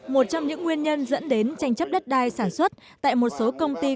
một trong những nguyên nhân dẫn đến tranh chấp đất đai sản xuất tại một số công ty